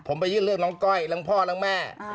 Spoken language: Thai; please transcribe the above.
ผมไปยื่นเรื่องน้องก้อยทั้งพ่อทั้งแม่